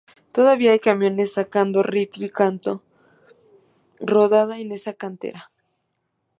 Todavía hay camiones sacando ripio y canto rodado en esta cantera.